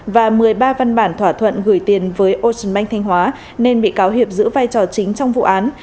và một mươi ba văn bản thỏa thuận gửi tiền với ocean bank thanh hóa nên bị cáo hiệp giữ vai trò chính trong vụ án